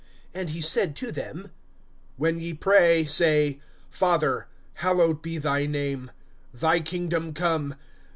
(2)And he said to them: When ye pray, say; Father, hallowed be thy name. Thy kingdom come.